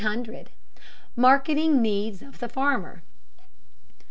MARKETING NEEDS OF THE FARMER.